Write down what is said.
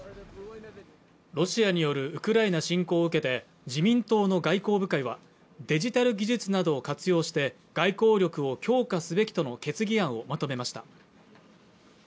ロシアによるウクライナ侵攻を受けて自民党の外交部会はデジタル技術などを活用して外交力を強化すべきとの決議案をまとめました